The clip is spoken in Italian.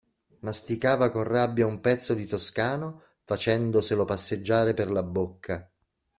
Masticava con rabbia un pezzo di "toscano," facendoselo passeggiare per la bocca.